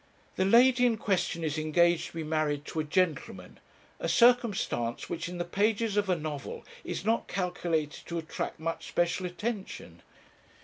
'The lady in question is engaged to be married to a gentleman, a circumstance which in the pages of a novel is not calculated to attract much special attention.